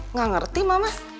nggak ngerti mama